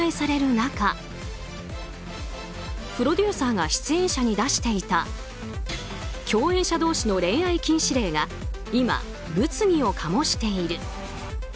中プロデューサーが出演者に出していた共演者同士の恋愛禁止令が今、物議を醸している。